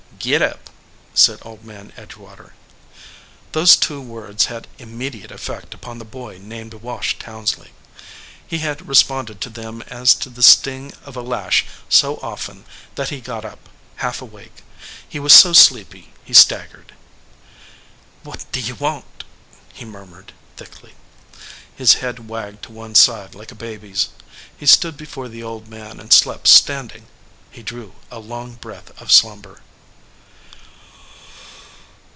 "Git up," said Old Man Edgewater. Those two words had immediate effect upon the boy named Wash Townsley. He had responded to them as to the sting of a lash so often that he got up, half awake. He was so sleepy he stag gered. "What do ye want?" he murmured, thickly. His head wagged to one side like a baby s. He stood before the old man and slept standing. He drew a long breath of slumber.